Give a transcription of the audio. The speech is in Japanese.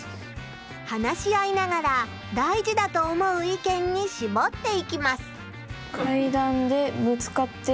話し合いながら大事だと思う意見にしぼっていきます。